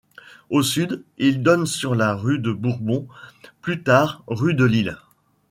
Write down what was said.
Au sud, il donne sur la rue de Bourbon, plus tard rue de Lille.